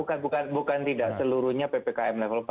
bukan bukan tidak seluruhnya ppkm level empat